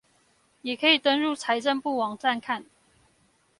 也可以登入財政部網站看